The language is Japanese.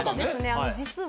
あの実は。